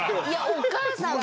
お母さんは。